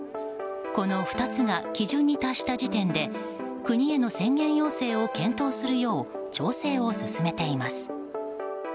この２つが基準に達した時点で国への宣言要請を検討するよう調整を進めています。